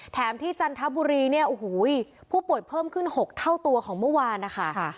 แถมที่จันทบุรีเนี่ยโอ้โหผู้ป่วยเพิ่มขึ้น๖เท่าตัวของเมื่อวานนะคะ